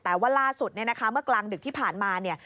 แต่ว่าล่าสุดเนี่ยนะคะเมื่อกลางดึกที่ผ่านมาเนี่ย